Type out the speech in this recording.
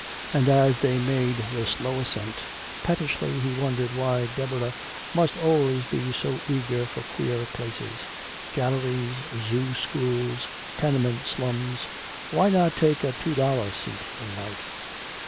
And as they made the slow ascent, pettishly he wondered why Deborah must always be so eager for queer places. Galleries, zoo schools, tenement slums why not take a two dollar seat in life?